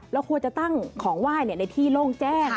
เราควรจะตั้งของไหว้ในที่โล่งแจ้ง